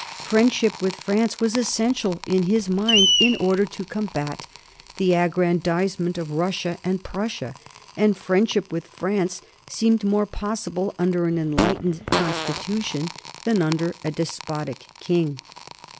Friendship with France was essential in his mind in order to combat the aggrandizement of Russia and Prussia, and friendship with France seemed more possible under an enlightened constitution than under a despotic king.